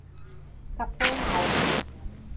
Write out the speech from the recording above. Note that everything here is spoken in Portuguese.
Capão Alto